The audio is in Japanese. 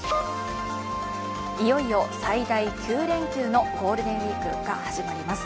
いよいよ最大９連休のゴールデンウイークが始まります。